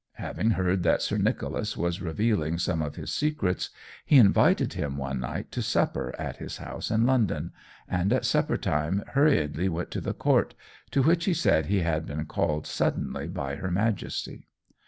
Having heard that Sir Nicholas was revealing some of his secrets, he invited him one night to supper at his house in London, and at supper time hurriedly went to the court, to which he said he had been called suddenly by her Majesty.